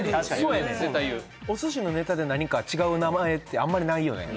そうやねんお寿司のネタで何か違う名前ってあんまりないよね・